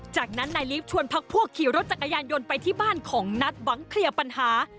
จากนั้นนายลีฟชวนพักพวกขี่รถจักรยานยนต์ไปที่บ้านของนัทหวังเคลียร์ปัญหา